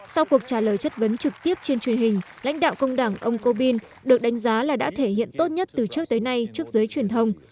sau cuộc trả lời chất vấn trực tiếp trên truyền hình lãnh đạo công đảng ông corbyn được đánh giá là đã thể hiện tốt nhất từ trước tới nay trước giới truyền thông